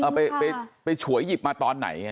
เอาไปฉวยหยิบมาตอนไหน